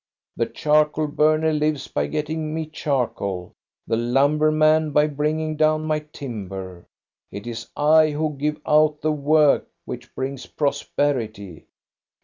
The charcoal burner lives by getting me charcoal, the lumber man by bringing down my timber. It is I who give out the work which brings prosperity.